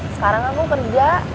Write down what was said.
sekarang aku kerja